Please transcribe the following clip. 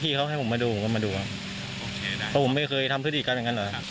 อ๋อเพื่อนคุยเหตุผลกับเขาอ่อน